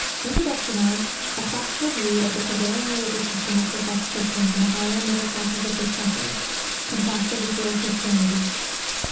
t A PRACTICAL VIEW OF THE PREVAILING RELIGIOUS SYSTEM OF PROFESSED CHRISTIANS, IN THE HIGHER AND MIDDLE CLASSES IN THIS COUNTRY, CONTRASTED WITH REAL CHRISTIANITY.